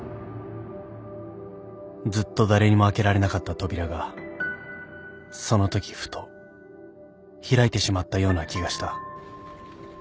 ずっと誰にも開けられなかった扉がそのときふと開いてしまったような気がした